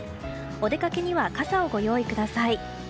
お出かけには傘をご用意ください。